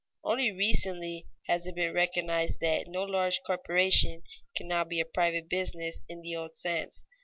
Only recently has it been recognized that no large corporation can now be a private business in the old sense.